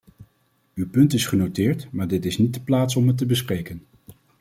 Uw punt is genoteerd, maar dit is niet de plaats om het te bespreken.